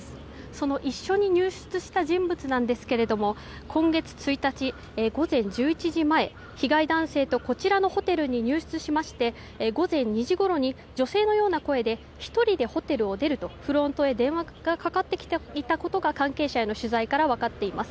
その一緒に入室した人物なんですけれども今月１日、午前１１時前被害男性とこちらのホテルに入室しまして午前２時ごろに女性のような声で１人でホテルを出るとフロントへ電話がかかっていたことが関係者への取材から分かっています。